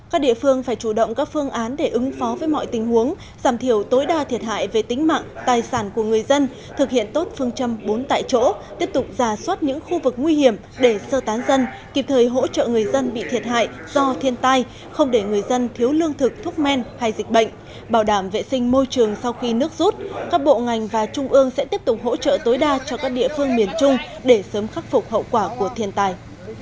các địa phương phải chủ động các phương án để ứng phó với mọi tình huống giảm thiểu tối đa thiệt hại về tính mạng tài sản của người dân thực hiện tốt phương châm bốn tại chỗ tiếp tục giả soát những khu vực nguy hiểm để sơ tán dân kịp thời hỗ trợ người dân bị thiệt hại do thiên tai không để người dân thiếu lương thực thuốc men hay dịch bệnh bảo đảm vệ sinh môi trường sau khi nước rút các bộ ngành và trung ương sẽ tiếp tục hỗ trợ tối đa cho các địa phương miền trung để sớm khắc phục hậu quả của thiên tai